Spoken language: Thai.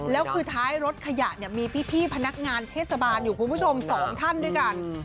แล้วคือท้ายรถขยะเนี่ยมีพี่พนักงานเทศบาลอยู่คุณผู้ชม๒ท่านด้วยกัน